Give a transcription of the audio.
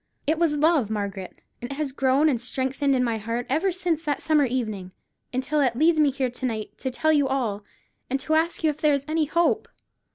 It was love, Margaret; and it has grown and strengthened in my heart ever since that summer evening, until it leads me here to night to tell you all, and to ask you if there is any hope.